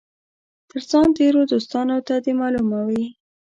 تر ځان تېرو دوستانو ته دي معلومه وي.